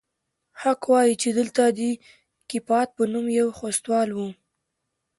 خلق وايي چې دلته د کيپات په نوم يو خوستوال و.